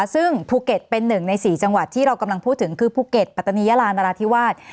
ซึ่งภูเก็ตเป็นหนึ่งใน๔จังหวัดที่เรากำลังพูดถึงคือภูเก็ตปัตตานียาลานราธิวาส